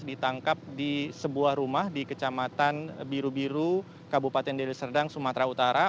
ditangkap di sebuah rumah di kecamatan biru biru kabupaten deliserdang sumatera utara